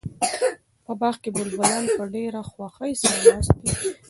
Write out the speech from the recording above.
په باغ کې بلبلان په ډېره خوښۍ سره ناست دي.